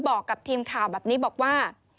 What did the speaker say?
บอกกับทีมข่าวแบบนี้บอกว่า